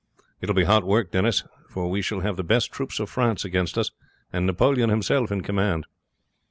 "It will be hot work, Denis; for we shall have the best troops of France against us, and Napoleon himself in command."